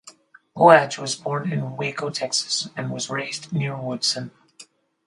Poage was born in Waco, Texas and was raised near Woodson.